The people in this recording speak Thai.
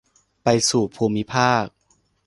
ไปสู่ภูมิภาค